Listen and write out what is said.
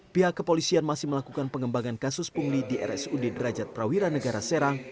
pihak kepolisian masih melakukan pengembangan kasus pungli di rsud derajat prawira negara serang